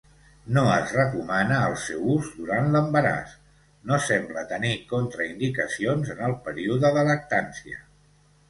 No es recomana el seu ús durant l'embaràs. No sembla tenir contraindicacions en el període de lactància.